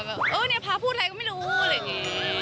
บางทีเขาก็เอาบัตรเป็นอะไร